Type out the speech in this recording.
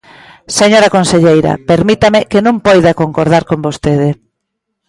Señora conselleira, permítame que non poida concordar con vostede.